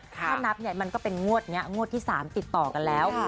ถ้านับเนี่ยมันก็เป็นงวดนี้งวดที่๓ติดต่อกันแล้ว